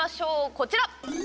こちら！